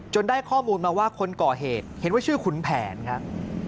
ได้ข้อมูลมาว่าคนก่อเหตุเห็นว่าชื่อขุนแผนครับ